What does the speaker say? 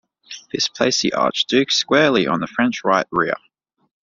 This placed the archduke squarely on the French right rear.